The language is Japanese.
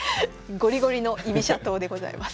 ゴリゴリの居飛車党でございます。